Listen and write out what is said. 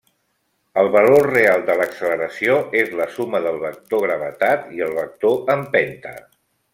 El valor real de l'acceleració és la suma del vector gravetat i el vector empenta.